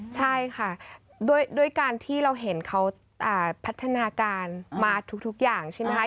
ใช่ค่ะด้วยการที่เราเห็นเขาพัฒนาการมาทุกอย่างใช่ไหมคะ